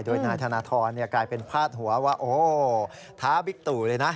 โดยนายธนทรกลายเป็นพาดหัวว่าโอ้ท้าบิ๊กตู่เลยนะ